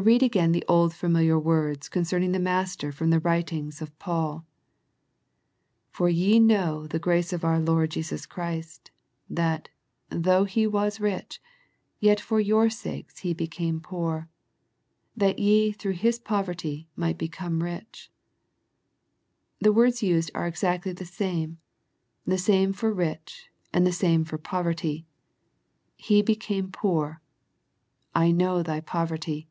Read again the old familiar words concerning the Master from the writings of Paul. " For ye know the grace of our Lord Jesus Christ, that, though He was rich, yet for your sakes He became poor, that ye through His poverty might become rich." The words used are ex actly the same, the same for " rich " and the same for " poverty." " He became poor," " I know thy poverty."